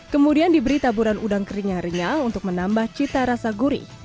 kemudian diberi taburan udang kering yang renyah untuk menambah cita rasa gurih